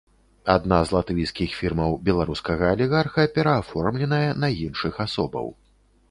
Адна з латвійскіх фірмаў беларускага алігарха перааформленая на іншых асобаў.